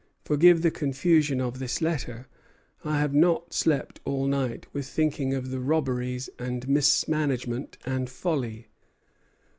Forgive the confusion of this letter; I have not slept all night with thinking of the robberies and mismanagement and folly.